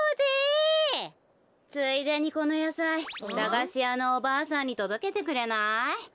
ついでにこのやさい駄菓子屋のおばあさんにとどけてくれない？